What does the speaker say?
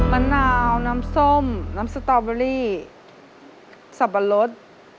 มะนาวน้ำส้มน้ำสตอเบอรี่สับปะรด